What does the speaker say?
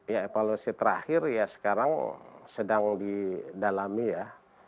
ya evaluasi terakhir ya sekarang sedang didalami ya